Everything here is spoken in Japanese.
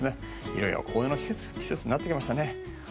いよいよ紅葉の季節になってきましたね。